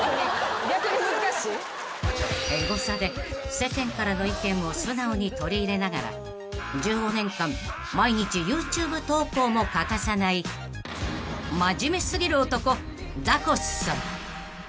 ［エゴサで世間からの意見を素直に取り入れながら１５年間毎日ＹｏｕＴｕｂｅ投稿も欠かさない真面目すぎる男ザコシさん］